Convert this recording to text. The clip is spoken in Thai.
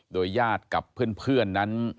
โดยญาติกับเพื่อนนั้น